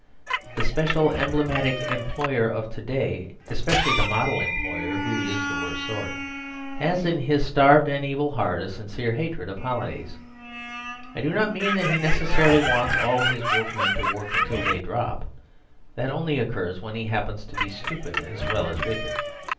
The special emblematic Employer of to day, especially the Model Employer (who is the worst sort) has in his starved and evil heart a sincere hatred of holidays. I do not mean that he necessarily wants all his workmen to work until they drop; that only occurs when he happens to be stupid as well as wicked.